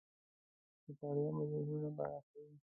مطالعه مو ذهنونه پراخوي .